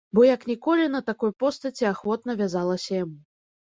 Бо, як ніколі, на такой постаці ахвотна вязалася яму.